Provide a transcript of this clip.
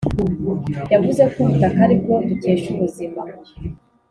Yavuze ko ubutaka aribwo dukesha ubuzima